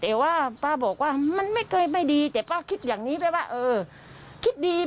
แต่ว่าป้าบอกว่ามันไม่เกินไปดี